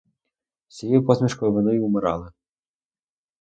З тією посмішкою вони й умирали.